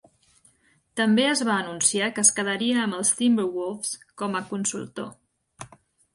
També es va anunciar que es quedaria amb els Timberwolves com a consultor.